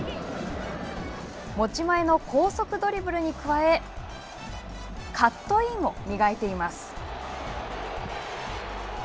持ち前の高速ドリブルに加えカットインを磨いています。